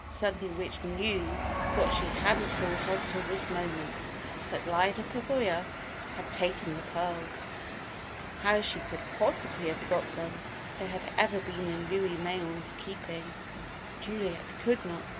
Something which knew what she hadn't thought of till this moment: that Lyda Pavoya had taken the pearls. How she could possibly have got them, if they had ever been in Louis Mayen's keeping, Juliet could not see.